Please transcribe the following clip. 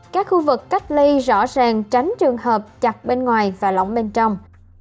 các khu vực cách ly rõ ràng tránh trường hợp chặt bên ngoài và lỏng bên trong